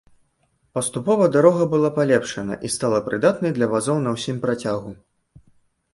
Паступова дарога была палепшана, і стала прыдатнай для вазоў на ўсім працягу.